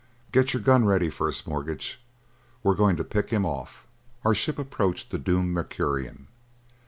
Get your gun ready, First Mortgage: we're going to pick him off." Our ship approached the doomed Mercurian.